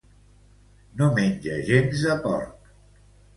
No menja gens de porc.